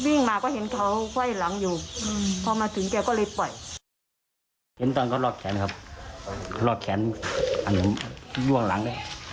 วิ่งมาก็เห็นเขาคว่ายหลัง